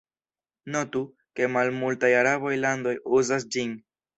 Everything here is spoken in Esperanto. Notu, ke malmultaj arabaj landoj uzas ĝin.